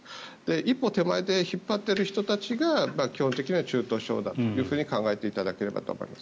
一歩手前で引っ張っている人たちが基本的には中等症だと考えていただければと思います。